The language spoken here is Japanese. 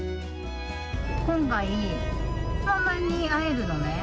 今回、ママに会えるのね。